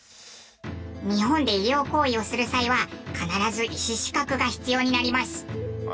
日本で医療行為をする際は必ず医師資格が必要になります。